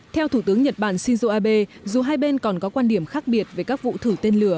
theo thủ tướng nhật bản shinzo abe dù hai bên còn có quan điểm khác biệt về các vụ thử tên lửa